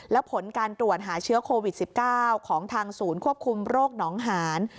และผลการตรวจหาเชื้อโควิด๑๙ของทางศูนย์ควบคุมโรคหนองหาน